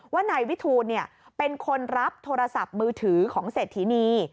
ว่านายวิทูลเป็นคนรับโทรศัพท์มือถือของเศรษฐินี